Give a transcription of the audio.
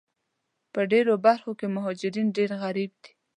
په ډېرو برخو کې مهاجرین ډېر غریب دي